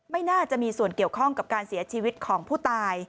ไม่น่าจะมีส่วนเกี่ยวข้องกับการเสียชีวิตของผู้ตาย